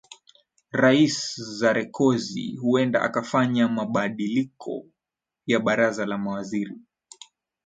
rais sarekozy huenda akafanya mabandiliko ya baraza la mawaziri